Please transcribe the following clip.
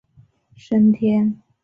教堂奉献给圣母升天。